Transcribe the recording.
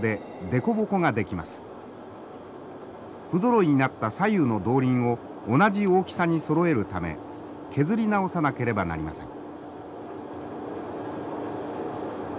不ぞろいになった左右の動輪を同じ大きさにそろえるため削り直さなければなりません。